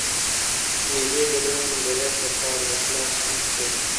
مېلې د نوو نظریاتو له پاره یو خلاص مټ دئ.